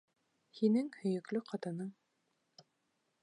Һинең һөйөклө ҡатының.